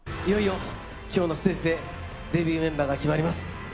いよいよきょうのステージで、デビューメンバーが決まります。